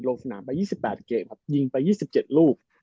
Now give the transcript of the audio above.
ลงสนามไป๒๘เกมครับยิงไป๒๗ลูก